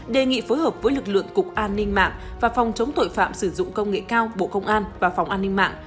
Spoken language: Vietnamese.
đề nghị phối hợp với lực lượng cục an ninh mạng và phòng chống tội phạm sử dụng công nghệ cao bộ công an và phòng an ninh mạng